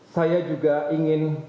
saya juga ingin